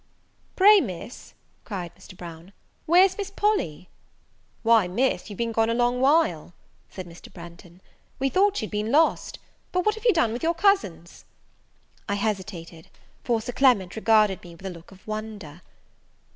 "Pray, Miss," cried Mr. Brown, "where's Miss Polly?" "Why, Miss, you've been a long while gone," said Mr. Branghton; "we thought you'd been lost. But what have you done with your cousins?" I hesitated, for Sir Clement regarded me with a look of wonder.